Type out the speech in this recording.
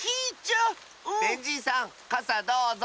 ベンじいさんかさどうぞ。